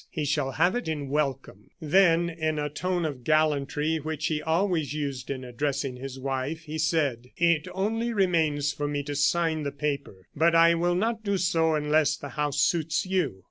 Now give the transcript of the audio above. He shall have it in welcome." Then, in a tone of gallantry, which he always used in addressing his wife, he said: "It only remains for me to sign the paper; but I will not do so unless the house suits you.